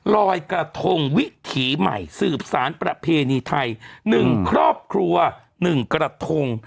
ลอยกระทงวิถีใหม่สืบสารประเพณีไทย๑ครอบครัว๑กระทง